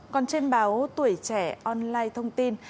còn trên báo tuổi trẻ online thông tin